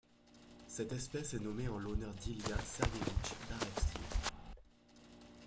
Cette espèce est nommée en l'honneur d'Ilya Sergeevich Darevsky.